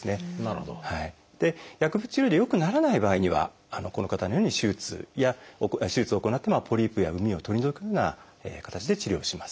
薬物治療で良くならない場合にはこの方のように手術を行ってポリープや膿を取り除くような形で治療をします。